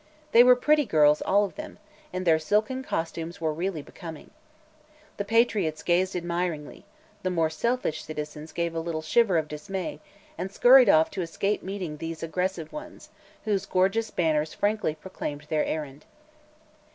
They were pretty girls, all of them, and their silken costumes were really becoming. The patriots gazed admiringly; the more selfish citizens gave a little shiver of dismay and scurried off to escape meeting these aggressive ones, whose gorgeous banners frankly proclaimed their errand.